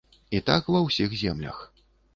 І так ва ўсіх землях.